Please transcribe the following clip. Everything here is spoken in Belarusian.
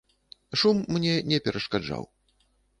Шум мне не перашкаджаў.